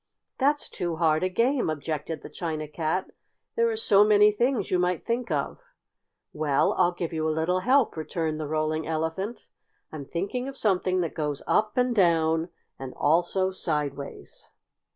"That's too hard a game," objected the China Cat. "There are so many things you might think of." "Well, I'll give you a little help," returned the Rolling Elephant. "I'm thinking of something that goes up and down and also sideways."